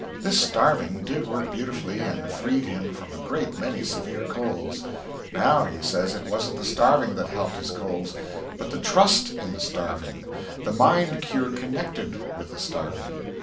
This starving did work beautifully, and freed him from a great many severe colds. Now he says it wasn't the starving that helped his colds, but the trust in the starving, the mind cure connected with the starving.